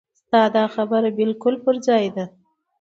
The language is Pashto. ستا دا خبره بالکل پر ځای ده.